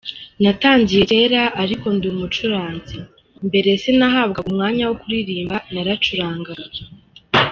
Natangiye kera ariko ndi umucuranzi, mbere sinahabwaga umwanya wo kuririmba naracurangaga.